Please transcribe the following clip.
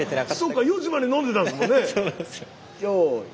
そっか４時まで飲んでたんですもんね。